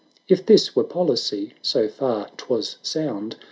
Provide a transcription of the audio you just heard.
840 If this were poHcy, so far 'twas sound.